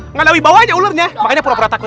nggak ada wibawa aja ularnya makanya pura pura takut